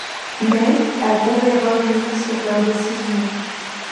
Mais, elles pouvaient revenir sur leur décision.